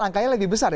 angkanya lebih besar